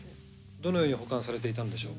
どのように保管されていたんでしょう？